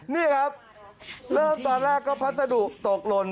นี่ครับเริ่มตอนแรกก็พัสดุตกหล่น